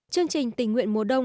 chương trình tình nguyện mùa đông